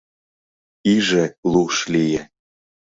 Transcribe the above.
— Иже луш лие...